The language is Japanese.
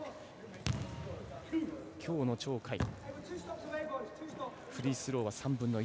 きょうの鳥海はフリースロー３分の１。